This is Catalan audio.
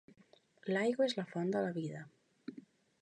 L'aigua és la font de la vida.